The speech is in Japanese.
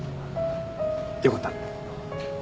よかったら。